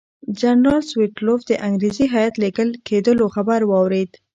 جنرال سټولیتوف د انګریزي هیات لېږل کېدلو خبر واورېد.